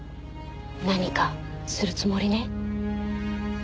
何かするつもりね？